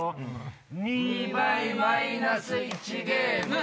２倍マイナス１ゲーム！